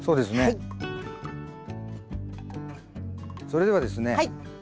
それではですね